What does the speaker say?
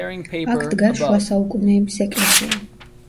აქ დგას შუა საუკუნეების ეკლესია.